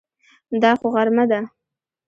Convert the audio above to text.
دا خو غرمه ده!